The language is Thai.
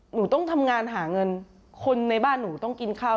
หนูต้องทำงานหาเงินคนในบ้านหนูต้องกินข้าว